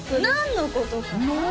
何のことかな？